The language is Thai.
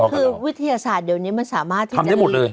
คือวิทยาศาสตร์เดียวนี้มันสามารถที่จะทำได้ทุกอย่าง